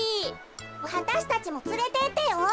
わたしたちもつれてってよ。